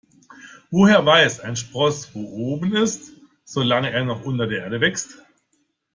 Woher weiß ein Spross, wo oben ist, solange er noch unter der Erde wächst?